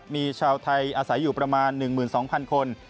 มีชาวไทยอาศัยอยู่ประมาณ๑๒๐๐คน